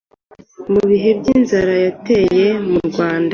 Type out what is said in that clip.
mu bihe by’inzara yateye murwanda